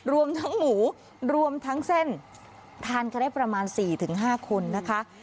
รวมทั้งหมูรวมทั้งเส้นทานก็ได้ประมาณสี่ถึงห้าคนนะคะ